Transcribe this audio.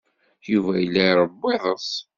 Yuba yella iṛewwu iḍes.